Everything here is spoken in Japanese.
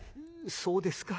「そうですか？